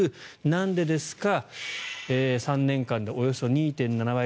なんでですか３年間でおよそ２．７倍。